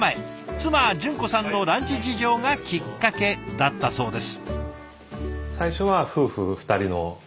妻純子さんのランチ事情がきっかけだったそうです。